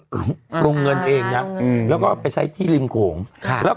เปลี่ยนไปเลยก็เป็นแรนดมาร์คเลย